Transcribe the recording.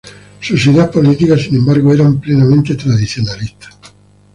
Sus ideas políticas, sin embargo, eran plenamente tradicionalistas.